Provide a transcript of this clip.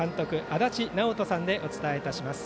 足達尚人さんでお伝えいたします。